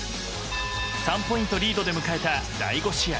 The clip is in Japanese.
３ポイントリードで迎えた第２試合。